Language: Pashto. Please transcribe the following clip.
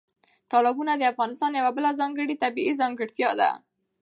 تالابونه د افغانستان یوه بله ځانګړې طبیعي ځانګړتیا ده.